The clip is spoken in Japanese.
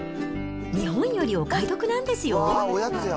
日本よりお買い得なんですよ。